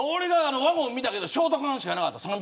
ワゴンを見たけどショート缶しかなかった。